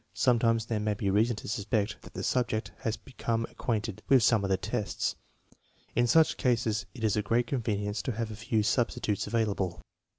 Sometimes there may be reason to suspect that the subject has become acquainted with some of the tests. In such cases it is a great convenience to have a few substitutes available.